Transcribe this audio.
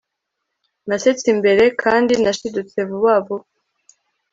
Nasetse imbere kandi nashidutse vuba vuba